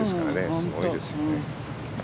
すごいですよね。